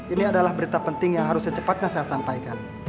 ini adalah berita penting yang harus secepatnya saya sampaikan